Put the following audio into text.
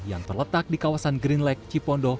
yang terletak di kawasan green lake cipondo